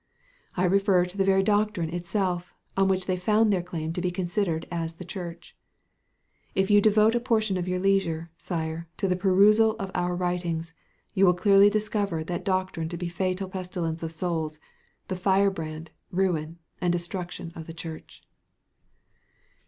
I refer to the very doctrine itself, on which they found their claim to be considered as the Church. If you devote a portion of your leisure, Sire, to the perusal of our writings, you will clearly discover that doctrine to be a fatal pestilence of souls, the firebrand, ruin, and destruction of the Church.